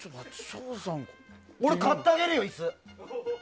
俺、買ってあげるよ、椅子。